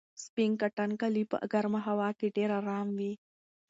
سپین کاټن کالي په ګرمه هوا کې ډېر ارام وي.